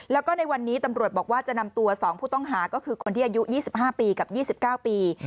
แล้วก็ในวันนี้ตำรวจบอกว่าจะนำตัว๒ผู้ต้องหาก็คือคนที่อายุ๒๕ปีกับ๒๙ปี